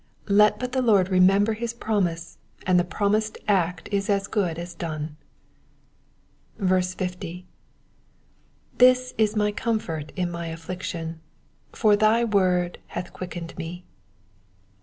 Let but the Lord remember his promise, and the promised act is as good as done. 50. 7%M u my comfort in my affliction: for thy word hath quickened me.'